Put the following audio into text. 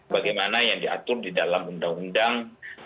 bagaimana yang diatur di dalam undang undang